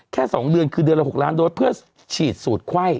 ๒เดือนคือเดือนละ๖ล้านโดสเพื่อฉีดสูตรไข้